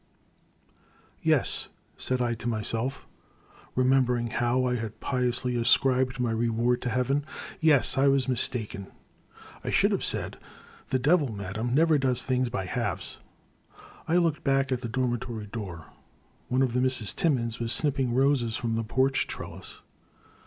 \7ES/' said I to myself, remembering how Y I had piously ascribed my reward to Heaven, —yes, I was mistaken. I should have said :* The devil, Madame, never does things by halves.* " I looked back at the dormitory door. One of the Misses Timmins was snipping roses from the porch trellis.